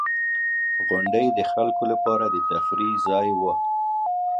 • غونډۍ د خلکو لپاره د تفریح ځای وي.